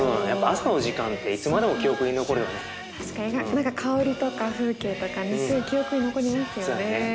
何か香りとか風景とか記憶に残りますよね。